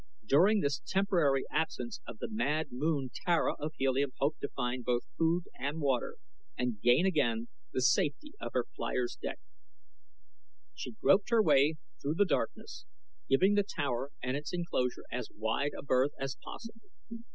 During this temporary absence of the mad moon Tara of Helium hoped to find both food and water, and gain again the safety of her flier's deck. She groped her way through the darkness, giving the tower and its enclosure as wide a berth as possible.